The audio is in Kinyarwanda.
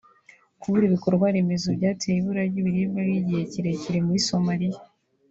kubura ibikorwa remezo byateye ibura ry’ibiribwa ry’igihe kirekire muri Somalia